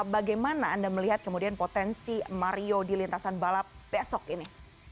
bagaimana anda melihat kemudian potensi mario di lintasan balap besok ini